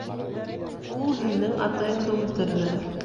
Ул һинең атайыңды үлтерҙе.